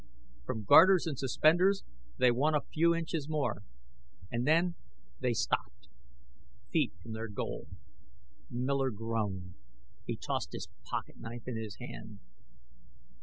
From garters and suspenders they won a few inches more. And then they stopped feet from their goal. Miller groaned. He tossed his pocket knife in his hand.